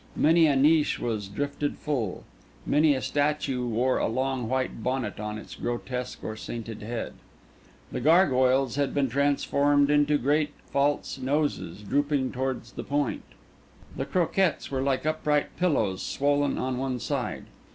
Many a niche was drifted full; many a statue wore a long white bonnet on its grotesque or sainted head. The gargoyles had been transformed into great false noses, drooping towards the point. The crockets were like upright pillows swollen on one side.